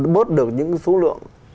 bớt được những số lượng